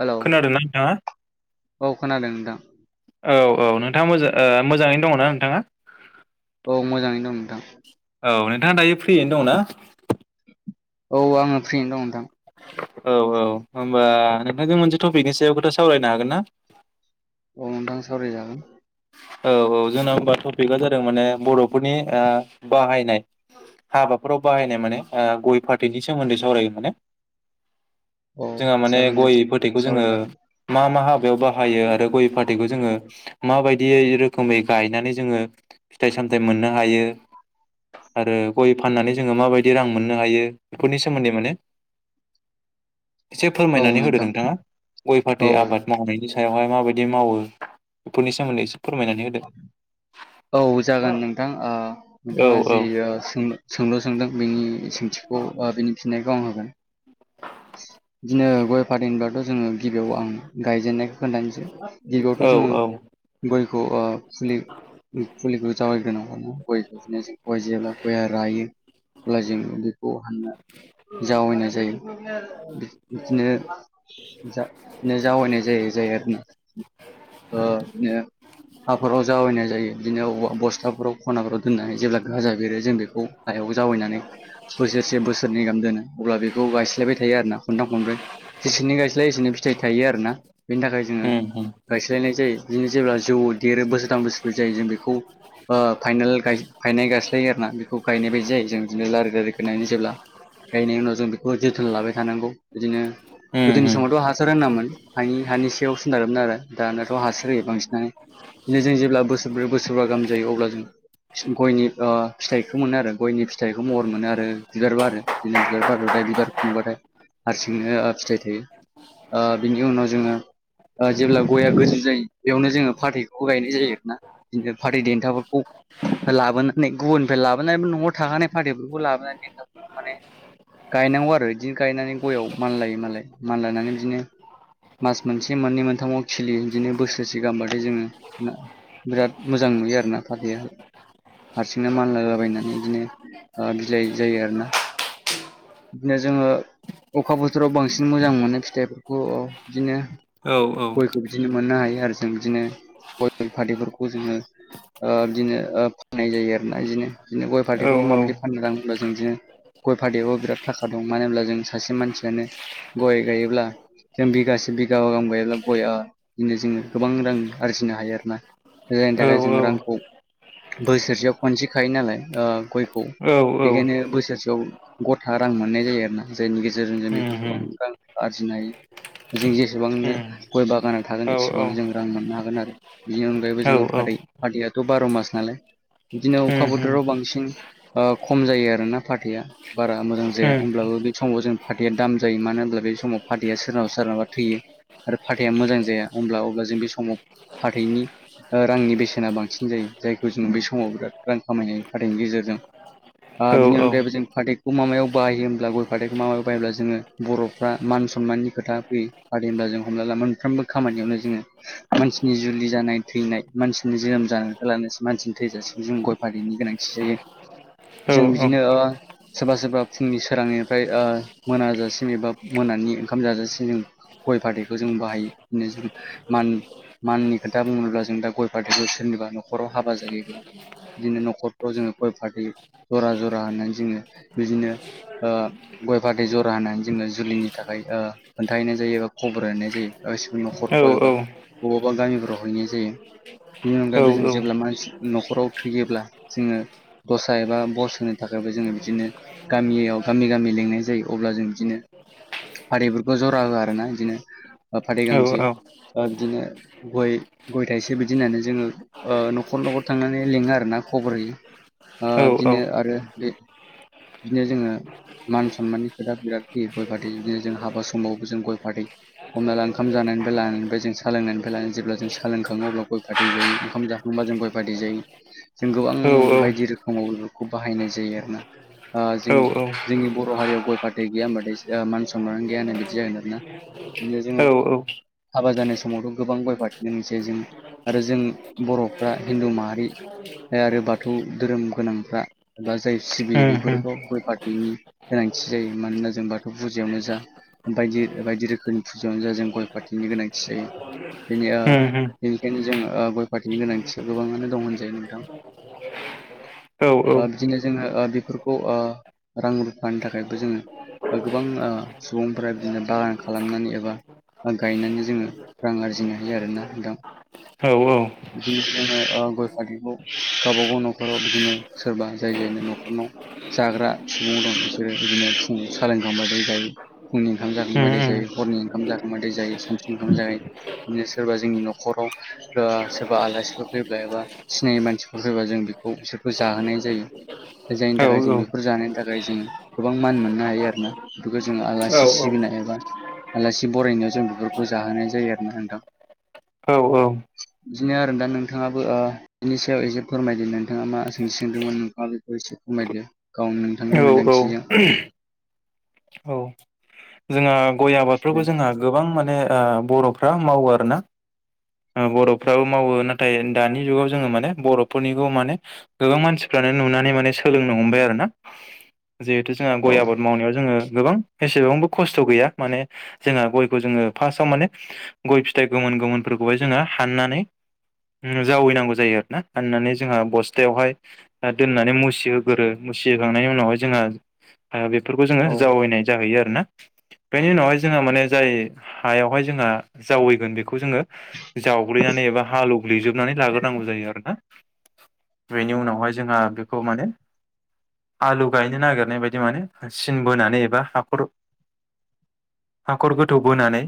Hello खोनादोंना नोंथाङा? औ खोनादों नोंथां औ औ नोंथाङा मोजां ओ मोजाङैनो दङना नोंथाङा? औ मोजाङैनो दं नोंथां। औ नोंथाङा दायो फ्रियैनो दं ना? औ आंङो फ्रियैनो दं नोंथां। औ औ होमबा नोंथांजों मोनसे टपिकनि सायाव खोथा सावरायनो हागोन ना? अ नोंथां सावराय जागोन। औ औ जोंना होमबा टपिकआ जादों माने बर'फोरनि ओ बाहायनाय। हाबाफोराव बाहायनाय माने ओ गय फाथैनि सोमोन्दै सावरायो माने औ जोंहा माने जागोन दे गय फाथैखौ जोङो सावरायजागोन मा मा हाबायाव बाहायो आरो गय फाथैखौ जोङो माबायदियै रोखोमै गायनानै जोङो फिथाइ सामथाइ मोननो हायो। आरो गय फाननानै जोङो माबायदि रां मोननो हायो बेफोरनि सोमोन्दै माने [inaudible] एसे औ फोरमायनानै होदो नोंथां नोंथाङा गय औ फाथै आबाद मावनायनि सायावहाय माबायदि मावो? बेफोरनि सोमोन्दै एसे फोरमायनानै होदो। औ जागोन नोंथां ओ औ नोंथाङा जि ओ सोंनो सोंलु सोंदों बिनि सोंथिखौ ओ बिनि फिननायखौ आं होगोन। बिदिनो गय फाथै होनबाथ' जोङो गिबियाव आं गायजेननायखौ खोन्थानोसै गिबियावथ' औ जोङो औ गयखौ ओ फुलि फुलिखौ जावायग्रोनांगौनो गयखौ इदिनो जों गय जेब्ला गया रायो अब्ला जों बेखौ हानना जावायनाय जायो। [unintelligible] बि इदिनो जा इदिनो जावायनाय जायो जायो आरोना ओ इदिनो हाफोराव जावायनाय जायो बिदिनो बस्थाफोराव खनाफोराव दोननानै जेब्ला गाजा बेरो जों बेखौ हायाव जावायनानै बोसोरसे बोसोरनै गाहाम दोनो अब्ला बेखौ गाय स्लायबाय थायो आरोना खनथाम खनब्रै जेसेनो गायस्लायो एसेनो फिथाइ थायो आरोना बेनि थाखाय जोङो उम गायस्लायनाय जायो बिदिनो जेब्ला जौ देरो बोसोरथाम बोसोरफोर जायो जों बेखौ ओ फाइनेल गाय फाइनेल गायस्लायो आरोना बेखौ गायनाय बायदि जायो जों बिदिनो लारि लारि गायनानै जेब्ला गायनायनि उनाव जों बेखौ जोथोन लाबाय थानांगौ बिदिनो उम उम गोदोनि समावथ' हासार होनामोन हानि हानि सायाव सोनारोमोन आरो दानाथ' हासार होयो बांसिनानो बिदिनो जों जेब्ला बोसोरब्रै बोरबा गाहामायो अब्ला जों गयनि फिथाइखौ मोनो आरो गयनि फिथाइखौ महर मोनो आरो बिबारबो आरो बिदिनो बिबार बारथाय बिबार खुंबाथाय हारसिंनो फिथाइ थायो। ओ बिनि उनाव जोंङो। जेब्ला गया गोजौ जायो बेयावनो जोङो फाथैखौबो गायनाय जायो आरो ना बि फाथै देन्थाफोरखौ लाबोनानै गुबुननिफ्राय लाबोनानै न'आव थाखानाय फाटैफोरखौ लाबोनानै माने गायनांगौ आरो बिदिनो गायनानै गययाव मानलायो मालाय मानलायनानै बिदिनो मास मोनसे मोननै मोनथामाव खिलियो बिदिनो बोसोरसे गाहामबाथाय जोंङो। बिराद मोजां नुयो आर ना फाथैयाखो हारसिंनो मानलालाबायनानै बिदिनो बिलाइ जायो आरो ना बिदिनो जोंङो अखा बोथोराव बांसिन मोजां मोनो फिथाइफोरखौ बिदिनो औ औ गयखौ बिदिनो मोननो हायो आरो जों बिदिनो गयल फाथैफोरखौ जोंङो। ओ बिदिनो ओ फाननाय जायो आरोना बिदिनो बिदिनो गय औ फाथैखौ माबादि फाननो राङोबब्ला जों बिदिनो गय फाथैखौबो बिराद थाखा दं मानो होनब्ला जों सासे मानसियानो गय गायोब्ला जों बिगासे बिगाबा गाहाम गायोब्ला गया बिदिनो जोङो गोबां रां आरजिनो हायो आरोना जायनि औ थाखाय जों रांखौ बोसोरसेयाव खनसे खायो नालाय ओ गयखौ औ औ बेखायनो बोसोरसेयाव रां मोननाय जायो आरो ना जायनि गेजेरजों जों उम बेफोर उम गोबां रां आरजिनो हायो। जों जेसेबांनो उम गय बागानाव थागोन औ एसेबांनो जों रां मोननो हागोन आरो बेनि अनगायैबो औ जोङो औ फै फादैयाथ' बार' मास नालाय बिदिनो उम औ अखा उम उम बोथोराव बांसिन ओ खम जायो आरो ना फाथैआ बारा मोजां औ औ जाया होमब्लाबो बे समाव जों फाथैया दाम जायो मानो होनब्ला बे समाव फाथैआ सोरनाबा सोरनाबा थैयो। आरो फाथैया मोजां जाया हब्ला अब्ला जों बे समाव फाथैनि रांनि बेसेना बांसिन जायो जायखौ जोङो बे समाव बिराद रां खामायनाय खाथायनायनि गेजेरजों बिनि अनगायैबो जों पाथैक बेखौ मा मायाव बाहायो होमब्ला गय फाथैखौ माबायाव बाहायोब्ला जोङो बर'फ्रा मान सनमाननि खोथा फैयो। फाथै होनब्ला जों हमना ला मोनफ्रोमबो खामानियावनो जोङो। मानसिनि जुलि जानाय थैनाय मानसिनि जोनोम जानानै लानानैसो मानसिनि थैजासिम जों गय फाथैनि गोनांथि जायो जों बिदिनो सोरबा सोरबा फुंनि सोरांनिफ्राय ओ मोनाजासिम एबा मोनानि ओंखाम जाजासिम गय फाथैखौ जों बाहायो जों मान माननि खोथा बुङोब्ला जों दा गय फाथैखौ सोरनिबा न'खराव हाबा जायोब्ला बिदिनो न'खरफ्राव जोङो गय फाैयो जरा जरा होननानै जोङो बिदिनो ओ गय फाथै जरा होनानै जोङो जुलिनि थाखाय ओ खोन्थाहैनाय जायो बा खबर होनाय जायो। गासिबो न'खरफ्राव एबा औ बबा गामिफ्राव हैनाय जायो। बिनि अनगायैबो जों जेब्ला मानसि न'खराव थैयोब्ला जोंङो। दस्रा एबा बस होनो थाखायबो जोंङो बिदिनो गामियाव गामि गामि लेंनाय जायो अब्ला जों बिदिनो फाथैफोरखौ जरा होआ आरो ना बिदिनो फाथै गांसे बिदिनो गय गय थाइसे बिदि होननानै जोंङो ओ न'खर न'खर थांनानै लिङो आरो ना खबर होयो। ओ बिदिनो आरो बे बिदिनो जोंङो मान सनमाननि खोथा बिराद फैयो गय फाथै बिदिनो जों हाबा समावबो जों गय फाथै हमनाला ओंखाम जानायनिफ्राय लानानैफ्राय जों सोलोंनायनिफ्राय लानानै जेब्ला जों सालोंखाङो अब्ला गयखाै जायो ओंखाम जाखां ओमबा जों गय फाै जायो जों गोबां बायदि रोखोमाव बेफोरखौ बाहायनाय जायो आरो ना जों जोंनि बर' हारियाव गय फाथै गैया होनबाथाय मान सनमान गैया होननाय बिदि जागोन आरो ना। औ औ हाबा जानाय समावथ' गोबां गय फारथिनो मोनसे जों आरो जों बर'फ्रा हिन्दु माहारि आरो बाथौ धोरोम गोनांफ्रा एबा जाय सिबि बेफोर थ' गय फाथैनि गोनांथि जायो मानोना जों बाथौ फुजायावनो जा बायदि बायदि रोखोमनि फुजायावनो जा जों गय फाथैनि गोनांथि जायो। बेनि बेनिखायनो जों गय फाथैनि गोनांथिया गोबाङानो दं होनजायो नोंथां। बिदिनो जोङो बेफोरखौ रां रुफानि थाखायबो जोङो गोबां सुबुंफोरा बिदिनो बागान खालामनानै एबा गायनानै जोङो रां आरजिनो हायो आर ना दा औ औ बिदिनो जोङो गय फाथैखौ गावबा गाव न'खराव बिदिनो सोरबा जाय जायनो न'खरनाव जाग्रा सुबुं दं बिसोरो बिदिनो फुंनि सालोंखांबाथाय जायो। फुंनि ओंखाम उम जाखांबाथाय उम जायो हरनि ओंखाम जाखांबाथाय सानसु ओंखाम जायो। बिनो सोरबा जोंनि न'खराव सोरबा आलासिफोर फैब्ला एबा सिनायै मानसिफोर फैबा जों बेखौ बिसोरखौ जाहोनाय जायो। जायनि औ थाखाय जों बेफोर जानायनि थाखाय जों गोबां मान मोननो हायो आरो ना। बेफोरखौ जों आलासि सिबिनाय एबा आलासि बरायनायाव जों बेफोरखौ जाहोनाय जायो आरो नोंथां। औ औ बिदिनो आरो दा नोंथाङाबो बिनि सायाव एसे फोरमायदो नोंथाङा मा सोंथि सोंदोंमोन नोंथाङा बेखौ एसे फोरमायदो। औ नोंथांनि औ मोनदांथिजों औ जोंहा गय दे आबादफोरखौ जोंहा गोबां माने बर'फ्रा मावो आर ना। बर'फ्राबो मावो नाथाय दानि जुगाव जोङो माने बर'फोरनिखौ माने गोबां मानसिफ्रानो नुनानै माने सोलोंनो हमबाय आरो ना। जिहेथु जोंहा औ गय आबाद मावनायाव जोङो गोबां एसेबांबो खस्थ' गैया माने जोंहा गयखौ जोङो फार्स्टाव माने गय फिथाइ गोमोन गोमोन फोरखौहाय जोङो हाननानै जावैनांगौ जायो आर ना हाननानै जोंहा बस्थायावहाय दा दोननानै मुसिहोगोरो मुसिहखांनायनि उनावहाय जोंङो बेफोरखौ जोङो औ जावैनाय जाहैयो आरो ना बेनि उनावहाय जोंहा माने जाय हायावहाय जोंहा जावैगोन बेखौ जोङो जावग्लिनानै एबा हालौवग्लिजोबनानै लाग्रोनांगौ जायो आरो ना। बेनि उनावहाय जोंहा बेखौ माने आलु गायनो नागिरनाय बायदि माने सिन बोनानै एबा हाखर हाखर गोथौ बोनानै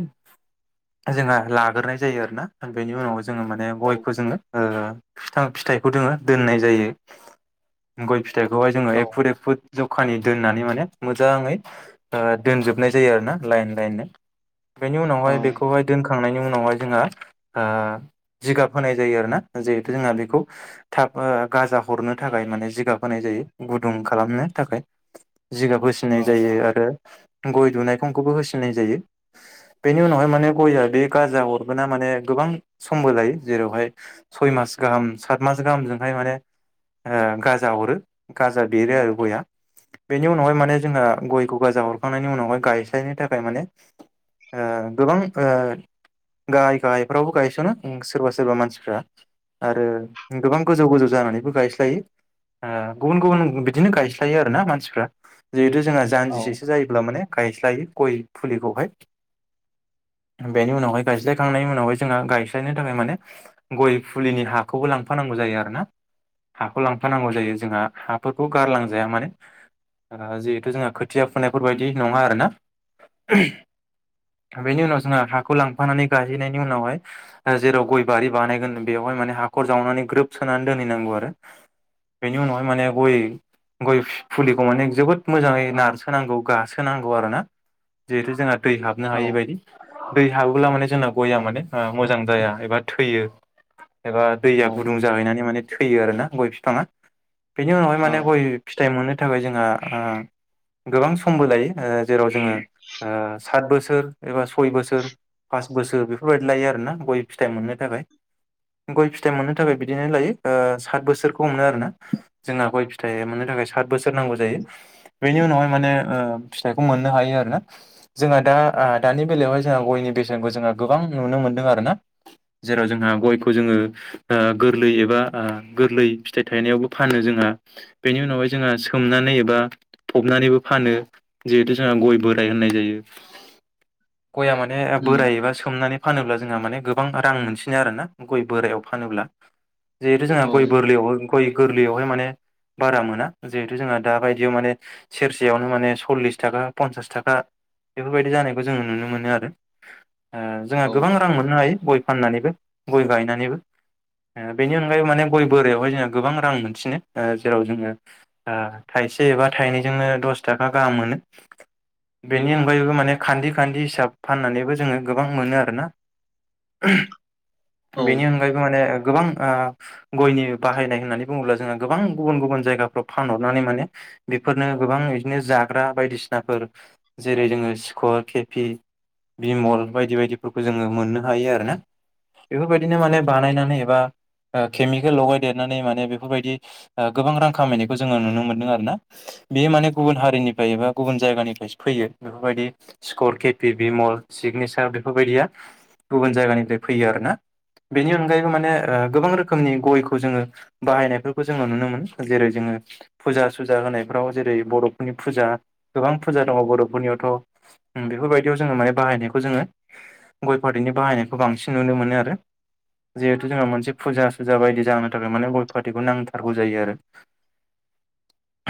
जोंहा लाग्रोनाय जायो आरोना बेनि उनाव जोङो माने औ गयखौ जोङो फिथां फिथाइखौ जोङो दोननाय जायो गय फिथाइखौहाय जोङो औ एक फुट एक फुट जखानि दोननानै माने मोजाङै दोनजोबनाय जायो आरो ना लाइन लाइन बेनि औ उनावहाय बेखौहाय दोनखांनायनि उनावहाय जोंहा जिगाब होनाय जायो आरोना जिहेथु जोंहा बेखौ थाब गाजा हरनो थाखाय माने जिगाब होनाय जायो गुदुं खालामनो थाखाय जिगाब औ बोसिनाय जायो आरो गय दुनाय खंखौबो होसिननाय जायो बेनि उनावहाय माने गयआ बे गाजा अर माने गोबां समबो लायो जेरावहाय सय मास गाहाम सात मास गाहामजोंहाय माने गाजा हरो गाजा देरो आरो गया बेनि उनावहाय माने जोंहा गयखौगाजा हरखांनायनि उनावहाय गायस्लायनो थाखाय माने ओ गोबां ओ गाहाय गाहायफ्रावबो गायस'नो उम सोरबा सोरबा मानसिफ्रा आरो गोबां गोजौ गोजौ जानानैबो गायस्लायो ओ गुबुन गुबुन बिदिनो गायस्लायो आरो ना मानसिफ्रा जिहितु जोंहा औ जानजिसेसो जायोब्ला माने गायस्लायो गय फुलिखौहाय बेनि उनावहाय गायस्लायखांनायनि उनावहाय जोंहा गायस्लायनो थाखाय माने गय फुलिनि हाखौबो लांफानांगौ जायो आरो ना हाखौ लांफानांगौ जायो जोंहा हाफोरखौ गारलांजाया माने ओ जिहेथु जोंहा खोथिया फुनायफोरबायायदि नङा आरोना [unintelligible] था बेनि उनाव जोंहा हाखौ लांफानानै गाहैनायनि उनावहाय ओ जेराव गय बारि बानायगोन बेवहाय माने हाखर जावनानै ग्रोब सोनानै दोनहैनांगौ आरो बेेनि उनावहाय माने गय गय फुलिखौ माने जोबोद मोजाङै नारसोनांगौ गासोनांगौ आरो ना जिहेतु जोंहा दै हाबनो औ हायै बायदि दै हाबोब्ला माने जोंना औ गया माने मोजां जाया एबा थैयो एबा दैया गुदुं जाहैनानै माने थैयो आरोना गय बिफाङा बेनि उनावहाय माने गय फिथाइ मोननो थाखाय जोंहा ओ गोबां समबो लायो ओ जेराव जोङो ओ सात बोसोर एबा सय बोसोर फास बोसोर बेफोरबायदि लायो आरोना गय फिथाइ मोननो थाखाय गय फिथाइ मोननो थाखाय बिदिनो लायो ओ सात बोसोर खमो आरोना जोंहा गय फिथाइ मोननो थाखाय सात बोसोर नांगौ जायो बेनि उनावहाय माने ओ फिथाइखौ मोननो हायो आरो ना जोंहा दा ओ दानि बेलायावहाय जोंहा गयनि बेसेनखौ जोंहा गोबां नुनो मोनदों आरो ना जेराव जोंहा गयखौ जोङो ओ गोरलै एबा ओ गोरलै फिथाइ थायनायावबो फानो जोंहा बेनि उनावहाय जोंहा सोमनानै एबा फबनानैबो फानो जिहेतु जोंहा गय बोराइ होननाय जायो गआ माने बोराइ एबा सोमनानै फानोब्ला जोंहा माने गोबां रां मोनसिनो आरोना गय बोरायाव फानोब्ला जिहेतु जोंहा गय बोरलैयाव गय गोरलैयावहाय माने बारा मोना जिहेथु जोंहा दा बायदियाव माने सेरसेयावनो माने सल्लिस थाखा पन्सास थाखा बेफोरबायदि जानायखौ जोङो नुनो मोनो आरो ओ जोंहा औ गोबां रां मोननो हायो गय फाननानैबो गय गायनानैबो ओ बेनि अनगायैबो माने गय बोराइायावहाय जोङो गोबां रां मोनसिनो ओ जेराव जोङो ओ थाइसे एबा थाइनैजोंनो दस थाखा गाहाम मोनो बेनि अनगायैबो माने खान्दि खान्दि हिसाब फाननानैबो जोङो गोबां मोनो आरोना औ [unintelligible] बेनि अन फ्रायबो माने गोबां ओ गयनि बाहायनाय होननानै बुङोब्ला जोङो गोबां गुबुन गुबुन जायगाफ्राव फानहरनानै माने बेफोरनो गोबां इदिनो जाग्रा बायदिसिनाफोर जेरै जोङो सिखर केफि बिमल बायदि बायदिफोरखौ जोङो मोननो हायो आरो ना बेफोरबायदिनो माने बानायनानै एबा ओ केमिखेल लगाय देरनानै माने बेफोरबायदि ओ गोबां रां खामायनायखौ जोङो नुनो मोन्दों आरो ना बेयो माने गुबुन हारिनिफ्राय एबा गुबुन जायगानिफ्रायसो फैयो बेफोरबायदि स्कर, केपि बिमल सिगनेसार बेफोरबायदिया गुबुन जायगानिफ्राय फैयो आरो ना बेनि अनगायैबो माने ओ गोबां रोखोमनि गयखौ जोङो बाहायनायफोरखौ जोङो नुनो मोनो जेरै जोङो फुजा सुजा होनायफ्राव जेरै बर'फोरनि फुजा गोबां फुजा दङ बर'फोरनियावथ' उम बेफोरबाय बेयाव जोङो माने बाहायनायखौ जोङो गय फाथैनि बाहायनायखौ बांसिन नुनो मोनो आरो जिहेथु जोंहा मोनसे फुजा सुजा बायदि जा होनो थाखाय माने गय फाथैटखौ नांथारगौ जायो आरो।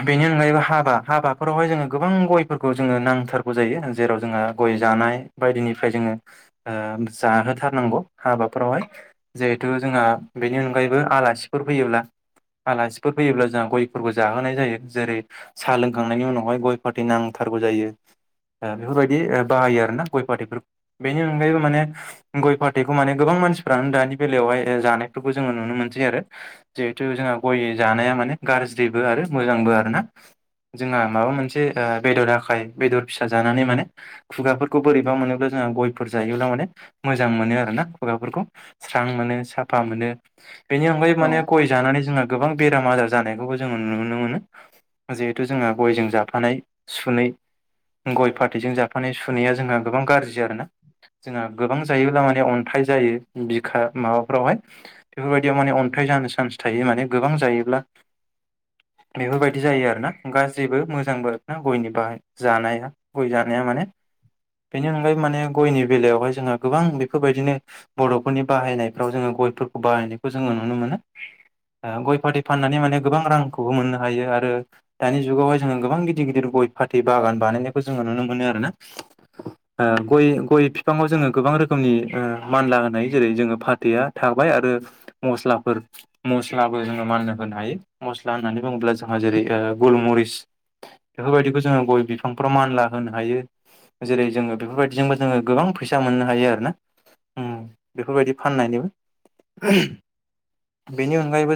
बेनि अनगायैबो हाबा हाबाफोरावहाय जोंहा गोबां गयफोरखौ जोङो नांथारगौ जायो जेराव जोंहा गय जानाय बायदिनिफ्राय जोङो ओ जाहोथारनांगौ हाबाफोरावहाय। जिहेथु जोंहा बेनि अनगायैबो आलासिफोर फैयोब्ला। आलासिफोर फैयोब्ला जोंहा गयफोरखौ जाहोनाय जायो जेरै साहा लोंखांनायनि उनावहाय गय फाथै नांथारगौ जायो ओ बेफोरबायदि ओ बाहायो आरो ना गय पाथैफोर बेनि अनगायैबो माने गय फाथैखौ माने गोबां मानसिफ्रानो दानि बेलायावहाय ओ जानायफोरखौ जोङो नुनो मोनसै आरो। जिहेथु जोंहा गय जानाया माने गाज्रिबो आरो मोजांबो आरो ना। जोंहा माबा मोनसे ओ बेदर आखाय बेदर फिसा जानानै माने खुगाफोरखौ बोरैबा मोनोब्ला जोंहा गयफोर जायोब्ला माने मोजां मोनो आरो ना खुगाफोरखौ। स्रां मोनो साफा मोनो बेनि अनगायै औ माने गय जानानै जोंहा गोबां बेराम आजार जानायखौबो जों नुनो मोनो। जिहेथु जोंहा गयजों जाफानाय सुनै गय फाथैजों जाफ माने सुनाया जोंहा गोबां गाज्रि आरोना जोंहा गोबां जायोब्ला माने अन्थाइ जायो बिखा माबाफोरावहाय। बेफोरबायदियाव माने अन्थाइ जानो चान्स थायो माने गोबां जायोब्ला। बेफोरबायदि जायो आरोना गाज्रिबो मोजांबो आरो ना गयनि बाहाय जानाया गय जानाया माने बेनि अनगायै माने गयनि बेलायावहाय जोंहा गोबां बेफोरबायदिनो। बर' फोरनि बाहायनायफ्राव जोङो गयफोरखौ बाहायनायखौ जोङो नुनो मोनो। ओं गय फाथै फाननानै माने गोबां रांखौबो मोननो हायो आरो दानि जुगावहाय जोङो गोबां गिदिर गिदिर गय फाथै बागान बानायनायखौ जोङो नुनो मोनो आरोना। ओ गय गय बिफाङाव जोङो गोबां रोखोमनि ओ मानला होनाय जेरै जोङो फाथैया थाबाय आरो मस्लाफोर मस्लाबो जोङो माननो होनो हायो मस्ला होननानै बुङोब्ला जोंहा जेरै गुलमरिस बेफोरबायदिखौ जोङो गय बिफांफोराव मानला होनो हायो। जेरै जोङो बेफोरबायदिजोंबो जोङो गोबां फैसा मोननो हायो आरोना। ओम बेफोरबायदि फाननायनिबो बेनि अनगायैबो।